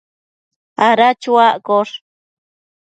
ada chuaccosh